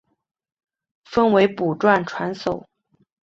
分为古传散手。